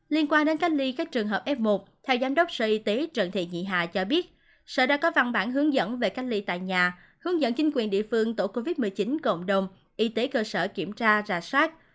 liên quan đến cách ly các trường hợp f một theo giám đốc sở y tế trần thị nhị hà cho biết sở đã có văn bản hướng dẫn về cách ly tại nhà hướng dẫn chính quyền địa phương tổ covid một mươi chín cộng đồng y tế cơ sở kiểm tra rà soát